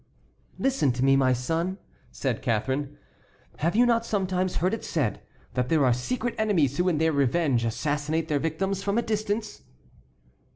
"Listen to me, my son," said Catharine, "have you not sometimes heard it said that there are secret enemies who in their revenge assassinate their victim from a distance?"